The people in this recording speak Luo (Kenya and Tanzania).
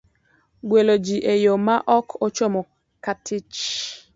Gwelo Ji e Yo ma Ok ochomo katich,